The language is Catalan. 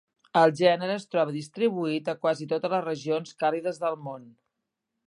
El gènere es troba distribuït a quasi totes les regions càlides del món.